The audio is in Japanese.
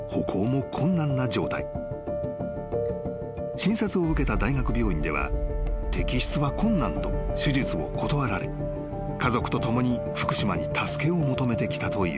［診察を受けた大学病院では摘出は困難と手術を断られ家族と共に福島に助けを求めてきたという］